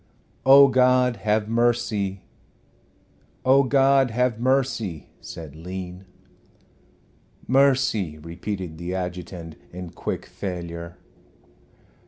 "Oh, God, have mercy " "Oh, God, have mercy " said Lean. "Mercy," repeated the adjutant, in quick failure.